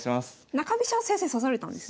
中飛車先生指されたんですね。